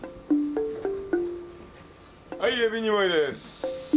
はいエビ２枚です。